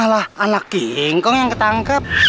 jelas lari kau dia mau ketangkap